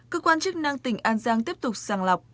cơ quan chức năng tỉnh an giang tiếp tục sàng lọc